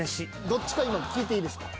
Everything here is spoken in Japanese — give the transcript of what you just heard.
どっちか今聞いていいですか？